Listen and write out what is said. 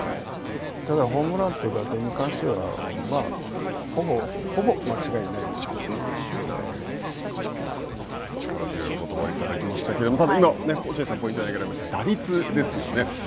ただ、ホームランと打点に関してはほぼ間違いないで力強いおことばをいただきましたけど、今落合さんがポイントに挙げられました打率ですよね。